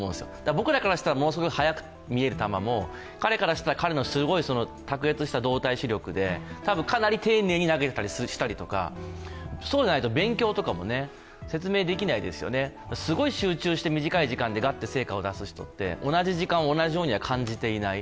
僕らからしたら、ものすごく速く見える球も、彼からしたら彼の卓越した動体視力で多分かなり丁寧に投げていたりとか、そうじゃないと勉強とかも説明できないですよね、すごい集中して短い時間でガッと成果を出す人って同じ時間を同じようには感じていない。